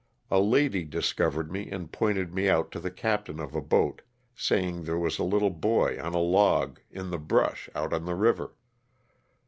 A lady discovered me and pointed me out to the captain of a boat, saying that there was a little boy on a log, in the brush, out on the river.